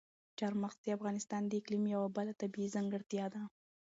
چار مغز د افغانستان د اقلیم یوه بله طبیعي ځانګړتیا ده.